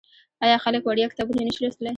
آیا خلک وړیا کتابونه نشي لوستلی؟